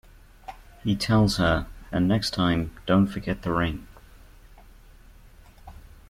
He tells her, And next time, don't forget the ring.